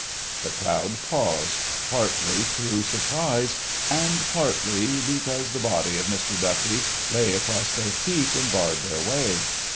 The crowd paused, partly through surprise and partly because the body of Mr. Duffy lay across their feet and barred their way.